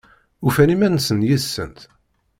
Ufan iman-nsen yid-sent?